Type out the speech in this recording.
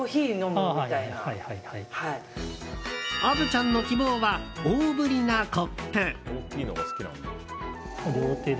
虻ちゃんの希望は大ぶりなコップ。